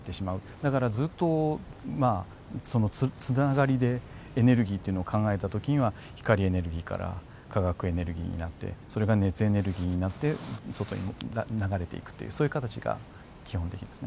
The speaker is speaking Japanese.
だからずっとつながりでエネルギーというのを考えた時には光エネルギーから化学エネルギーになってそれが熱エネルギーになって外に流れていくっていうそういう形が基本的ですね。